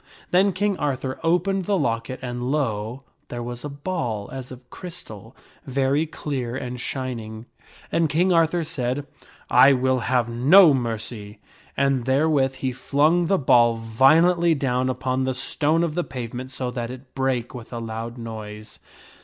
Then King Arthur opened the locket and lo ! there was a ball as of crystal, very clear and shining. And King Arthur said, knight of i w iii have no mercy," and therewith he flung the ball vio lently down upon the stone of the pavement so that it brake with a loud noise.